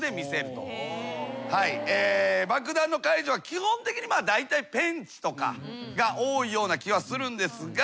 爆弾の解除は基本的にまあだいたいペンチとかが多いような気はするんですが。